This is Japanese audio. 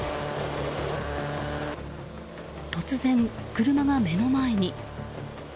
突然、車が目の前に。